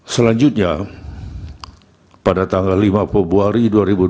selanjutnya pada tanggal lima februari dua ribu dua puluh